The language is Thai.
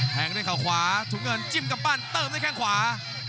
แทงด้วยเขาขวาถุงเงินจิ้มกำปั้นเติมด้วยแข้งขวา